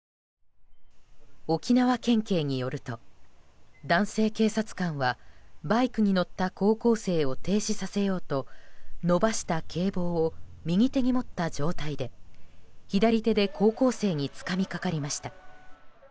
沖縄県警によると、男性警察官はバイクに乗った高校生を停止させようと伸ばした警棒を右手に持った状態で左手で高校生につかみかかりました。